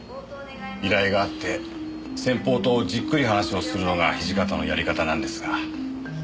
依頼があって先方とじっくり話をするのが土方のやり方なんですがそれで。